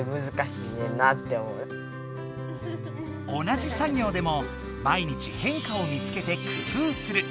同じ作業でも毎日変化を見つけて工夫する。